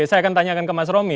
saya akan tanyakan ke mas romi